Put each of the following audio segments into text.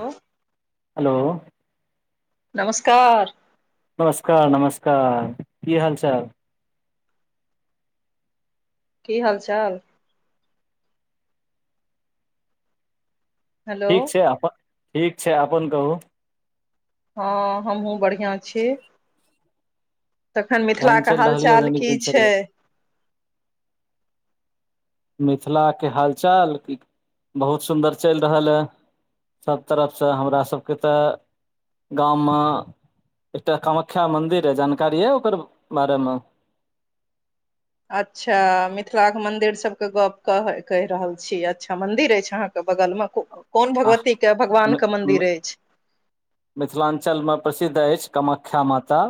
आँय [unintelligible] हेलो नमस्कार नमस्कार नमस्कार की हाल चाल की हाल चाल हेलो ठीक छै अपन ठीक छै अपन कहू हँ हमहुँ बढ़ियाँ छी तखन मिथिला केहन कऽ चलि हाल रहल यऽ चाल दैनिक की छै दिनचर्या मिथिलाके हाल चाल बहुत सुन्दर चलि रहल हय सब तरफ से हमरा सबके तऽ गाममे एकटा कामख्या मन्दिर यऽ जानकारी यऽ ओकर बारेमे अच्छा मिथिलाके मन्दिर सबके गप कह कहि रहल छी अच्छा मन्दिर अछि अहाँके बगलमे कोन आ भगवती के भगवान मि- के मि- मंन्दिर अछि मिथिलाञ्चलमे प्रसिद्ध अछि कामख्या माता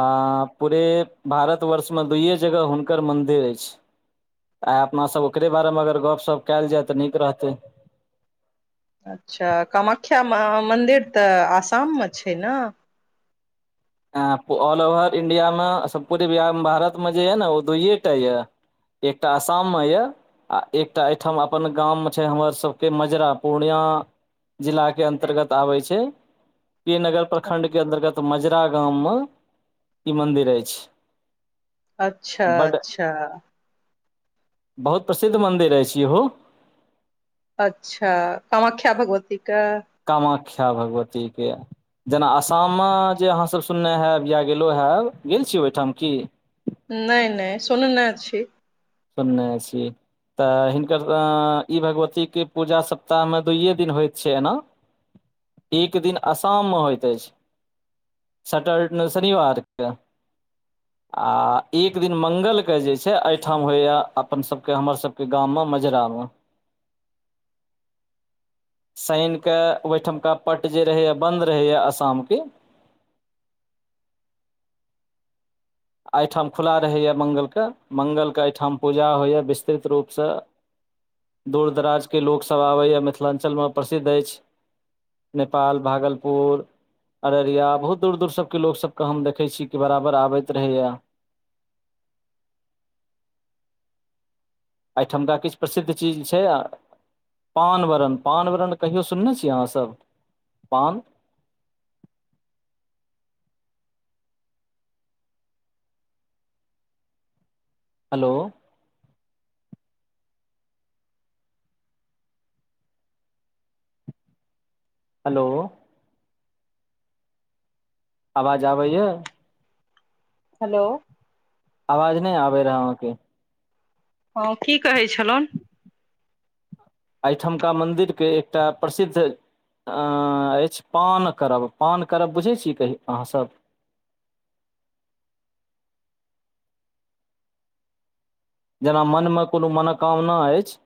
आ पूरे भारतवर्षमे दूइए जगह हुनकर मन्दिर अछि आइ अपनासभ ओकरे बारेमे अगर गप सप कयल जाय तऽ नीक रहतै। हँ, कामाख्या मन्दिर आसाममे छै ने। ऑल ओवर इण्डियामे, सम्पूर्ण बिहार भारतमे जे यऽ ने, ओ दुइए टा यऽ। एकटा आसाममे यऽ आ एकटा एहिठाम अपन गाममे छै, हमर सभके मजरा पूर्णियाँ। जिलाके अन्तर्गत आबै छै। के नगर प्रखण्डके अन्तर्गत मजरा गाममे ई मन्दिर अछि। अच्छा बड अच्छा बहुत प्रसिद्ध मन्दिर अछि। इहो अच्छा कमाख्या भगवतीके? कमाख्या भगवती के। जेना आसाममे जे अहाँसभ सुनने हैब या गेलँ हैब गेल छी ओहिठाम की? नहि नहि सुन ने छी सूने छी तऽ हिनकर इ भगवती के पूजा सप्ताह में दुइये दिन होइत छै। एना [inaudible] एक दिन आसाममे होइत अछि। सटट न शनिवारके आ एक दिन मंगलके जे छै, अहि ठाम होइ या अपन सभके, हमर सभके गाँवमे मजरामे। शने के ओहिठामका पट जे रहैए, बन्द रहैए आसामके। एहिठाम खुला रहैए, मंगलके मंगलके एहिठाम पूजा होइए, विस्तृत रूपसँ। दूर दराज के लोकसभ आबैए मिथिलांचलमें प्रसिद्ध अछि नेपाल भागलपुर। अररिया बहुत दूर दूरसँ लोक सभके हम देखै छी कि बराबर आबैत रहैए। एहिठामका किछु प्रसिद्ध चीज छै? पान-वरण, पान-वरण कहियो सुनने छियै अहाँ सभ? हेलो हेलो आवाज आबैय? हेलो आवाज नहि आबे रहै अहाँके हँ, की कहै छलनि? एहिठामका मन्दिरके एकटा प्रसिद्ध। अ अछि पान करब, पान करब बुझैत छी अहाँ सभ? जेना मनमे कोनो मनोकामना अछि।